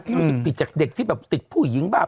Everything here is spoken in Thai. รู้สึกผิดจากเด็กที่แบบติดผู้หญิงบ้าง